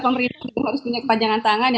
pemerintah harus punya kepanjangan tangan